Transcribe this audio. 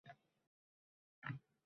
Amakimning o`g`li Rasul akam ham boryapti